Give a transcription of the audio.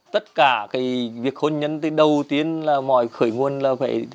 tất cả việc hôn nhân từ đầu tiên là mọi khởi nguồn là phải